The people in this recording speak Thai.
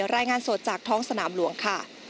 รายงานสดจากท้องสนามหลวงค่ะ